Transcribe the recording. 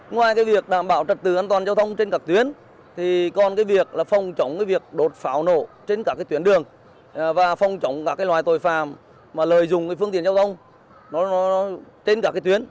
ngoài việc đảm bảo trật tự an toàn giao thông trên các tuyến còn việc phòng chống đột pháo nổ trên các tuyến đường và phòng chống các loài tội phàm lời dùng phương tiện giao thông trên các tuyến